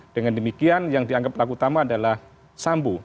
dengan demikian yang dianggap pelaku utama adalah sambo